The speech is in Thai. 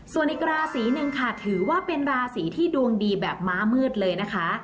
ส่วนอีกราศีหนึ่งค่ะถือว่าเป็นราศีที่ดวงดีแบบม้ามืดเลยนะคะ